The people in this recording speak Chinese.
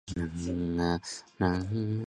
但中国境内机场依然不能攻击。